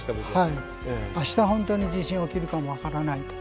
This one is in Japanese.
明日本当に地震起きるかも分からない。